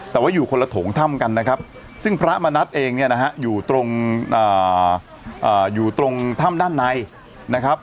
แต่ว่าอยู่คนละโถงถ้ำกันนะครับซึ่งพระมณัฐเองเนี่ยนะฮะอยู่ตรงอยู่ตรงถ้ำด้านในนะครับ